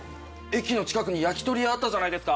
駅の近くに焼き鳥屋あったじゃないですか。